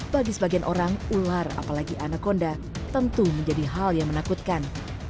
bagi sebagian orang ular apalagi anakonda tentu menjadi hal yang menakutkan